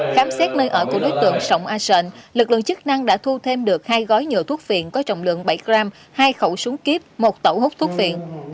khám xét nơi ở của đối tượng sông a sợn lực lượng chức năng đã thu thêm được hai gói nhựa thuốc phiện có trọng lượng bảy gram hai khẩu súng kíp một tẩu hút thuốc viện